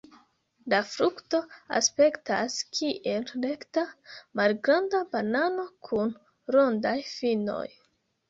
La frukto aspektas kiel rekta, malgranda banano kun rondaj finoj.